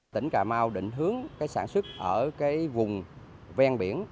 tỉnh cà mau định hướng sản xuất ở vùng ven biển